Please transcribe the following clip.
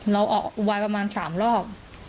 เราออกอุบายประมาณ๓รอบ